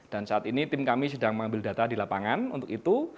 dan saat ini tim kami sedang mengambil data di lapangan untuk itu